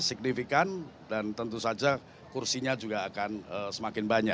signifikan dan tentu saja kursinya juga akan semakin banyak